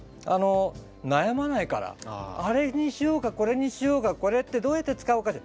あれにしようかこれにしようかこれってどうやって使うかって。